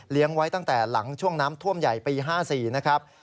ไว้ตั้งแต่หลังช่วงน้ำท่วมใหญ่ปี๕๔นะครับ